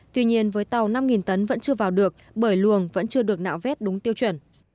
tuy nhiên với tàu năm tấn vẫn chưa vào được bởi luồng vẫn chưa được nạo vét đúng tiêu chuẩn